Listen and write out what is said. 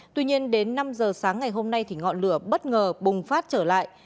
tuy nhiên đến năm giờ sáng ngày hôm nay thì ngọn lửa bất ngờ bùng phát trở lại